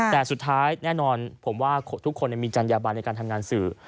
แต่สุดท้ายแน่นอนผมว่าทุกคนมีจัญญาบันในการทำงานสื่อ